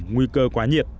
nguy cơ quá nhiệt